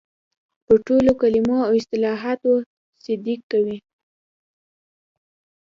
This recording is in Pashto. پر ټولو کلمو او اصطلاحاتو صدق کوي.